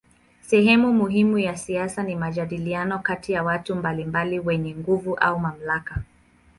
Sehemu muhimu ya siasa ni majadiliano kati ya watu mbalimbali wenye nguvu au mamlaka.